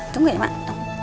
tunggu ya mak